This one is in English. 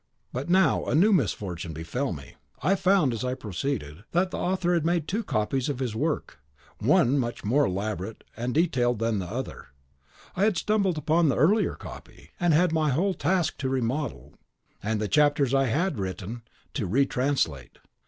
But now a new misfortune befell me: I found, as I proceeded, that the author had made two copies of his work, one much more elaborate and detailed than the other; I had stumbled upon the earlier copy, and had my whole task to remodel, and the chapters I had written to retranslate.